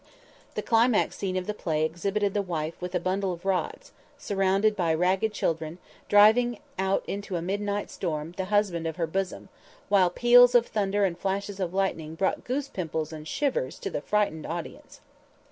The climax scene of the play exhibited the wife with a bundle of rods, surrounded by ragged children, driving out into a midnight storm the husband of her bosom, while peals of thunder and flashes of lightning brought goose pimples and shivers to the frightened audience.